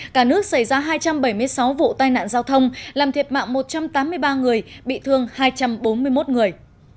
cả nước xảy ra hai trăm bảy mươi sáu vụ tai nạn giao thông làm thiệt mạng một trăm tám mươi ba người bị thương hai trăm bốn mươi một người